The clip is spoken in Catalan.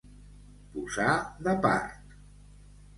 Posar de part.